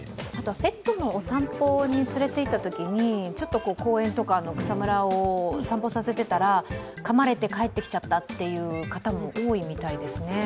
ペットのお散歩に連れて行ったときに、ちょっと公園とか草むらを散歩させてたらかまれて帰ってきちゃっという方も多いみたいですね。